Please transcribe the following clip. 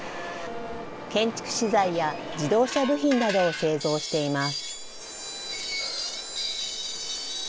建築資材や自動車部品などを製造しています。